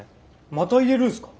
またいれるんすか？